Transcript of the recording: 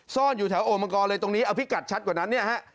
ซ่อนอยู่แถวโอ่งมังกรเลยตรงนี้อภิกัดชัดกว่านั้น